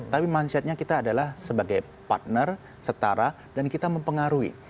tapi mindsetnya kita adalah sebagai partner setara dan kita mempengaruhi